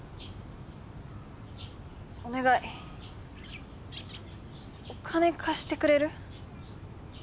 お願いお金貸してくれる？